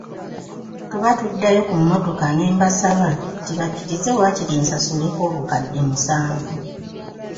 Tuba tuddayo ku mmotoka ne mbasaba nti bakkirize waakiri nsasuleko obukadde musanvu.